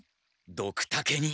ドクタケに。